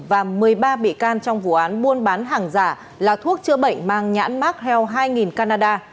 và một mươi ba bị can trong vụ án buôn bán hàng giả là thuốc chữa bệnh mang nhãn mark health hai canada